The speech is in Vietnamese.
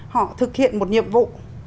họ thực hiện một nhiệm vụ